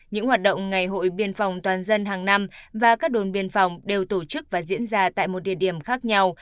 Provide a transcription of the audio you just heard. những hoạt động ngày hội biên phòng toàn dân hàng năm và các đồn biên phòng đều tổ chức và diễn ra tại một địa điểm khác nhau